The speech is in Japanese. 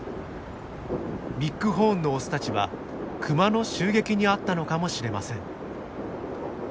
ビッグホーンのオスたちはクマの襲撃に遭ったのかもしれません。